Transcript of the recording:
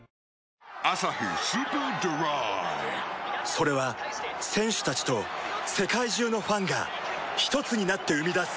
それは選手たちと世界中のファンがひとつになって生み出す